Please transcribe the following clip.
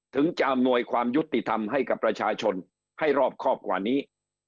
ถึงจะอำนวยความยุติธรรมให้กับประชาชนให้รอบครอบกว่านี้